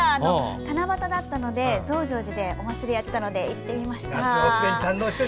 七夕だったので増上寺でお祭りをやってたので行ってみました。